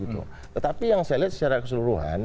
tetapi yang saya lihat secara keseluruhan